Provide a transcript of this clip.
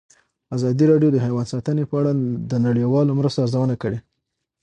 ازادي راډیو د حیوان ساتنه په اړه د نړیوالو مرستو ارزونه کړې.